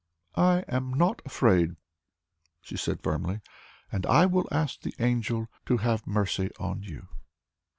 "I am not afraid," she said firmly, "and I will ask the angel to have mercy on you."